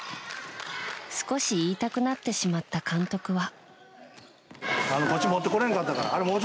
少し言いたくなってしまった監督は。